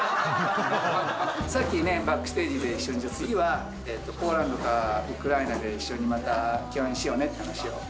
さっきね、バックステージで一緒に、じゃあ次は、ポーランドかウクライナで一緒にまた共演しようねっていう話を。